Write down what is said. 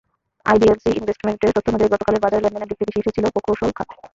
IDLC ইনভেস্টমেন্টসের তথ্য অনুযায়ী, গতকালের বাজারে লেনদেনের দিক থেকে শীর্ষে ছিল প্রকৌশল খাত।